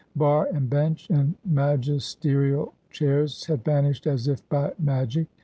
Bar, and bench, and magis terial chairs had vanished as if by magic.